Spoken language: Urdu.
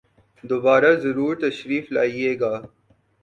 دوبارہ ضرور تشریف لائیئے گا